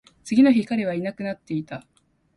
次の日、彼はいなくなっていた